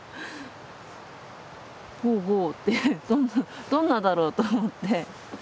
ほうほうってどんなだろうと思って。